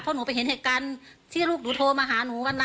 เพราะหนูไปเห็นเหตุการณ์ที่ลูกหนูโทรมาหาหนูกันนะ